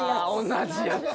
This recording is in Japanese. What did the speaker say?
「同じやつ」